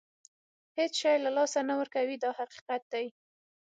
هېڅ شی له لاسه نه ورکوي دا حقیقت دی.